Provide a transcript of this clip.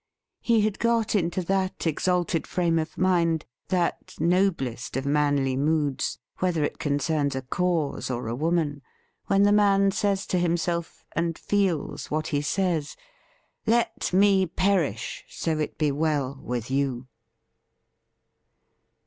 He had got into that exalted frame of mind, that noblest of manly moods, whether it concerns a cause or a woman, when the man says to himself, and feels what he says :' Let me perish, so it be well with you.'